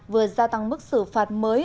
vừa gia tăng mức xử phạt mới